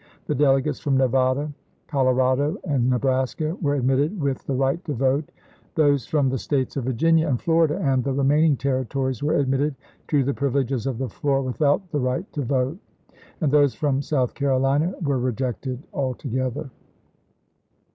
The delegates from Nevada, Colorado, and Nebraska were admitted with the right to vote; those from the States of Virginia LINCOLN BENOMINATED 69 and Florida, and the remaining Territories, were chap. in. admitted to the privileges of the floor without the right to vote ; and those from South Carolina were rejected altogether.